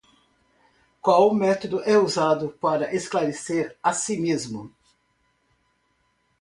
Qual método é usado para esclarecer a si mesmo?